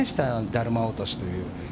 だるま落としという。